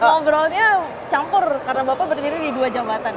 ngomongnya campur karena bapak berdiri di dua jambatan